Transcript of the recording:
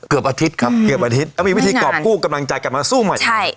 นานไหมครับเกือบอาทิตย์ครับมีวิธีกรอบกู้กำลังจากลับมาสู้ใหม่